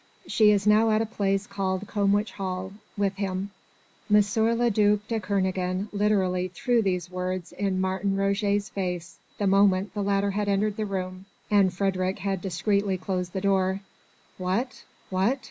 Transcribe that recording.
She is now at a place called Combwich Hall with him!" M. le duc de Kernogan literally threw these words in Martin Roget's face, the moment the latter had entered the room, and Frédérick had discreetly closed the door. "What? What?"